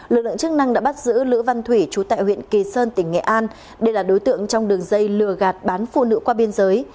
lực lượng chức năng đã bắt giữ lữ văn thủy chú tại huyện kỳ sơn tỉnh nghệ an đây là đối tượng trong đường dây lừa gạt bán phụ nữ qua biên giới